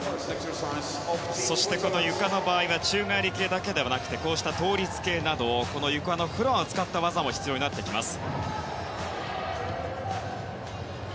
ゆかの場合は宙返り系だけではなく倒立系などゆかのフロアを使った技も必要になってきます。